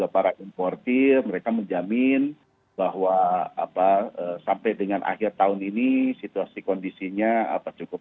para importer mereka menjamin bahwa apa sampai dengan akhir tahun ini situasi kondisinya cukup